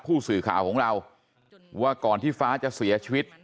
ผู้สื่อข่าวของเราว่าก่อนที่ฟ้าจะเสียชีวิต